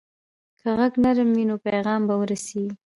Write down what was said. که غږ نرم وي، نو پیغام به ورسیږي.